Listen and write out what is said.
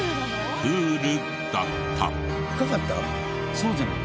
そうじゃない？